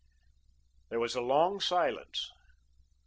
There was a long silence.